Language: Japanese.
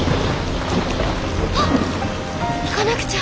あっ行かなくちゃ。